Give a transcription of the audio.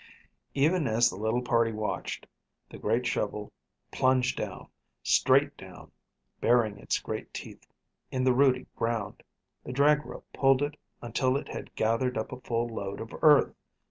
Even as the little party watched, the great shovel plunged down, straight down, burying its great teeth in the rooty ground. The drag rope pulled it in until it had gathered up a full load of earth.